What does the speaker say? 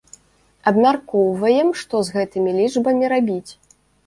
Абмяркоўваем, што з гэтымі лічбамі рабіць?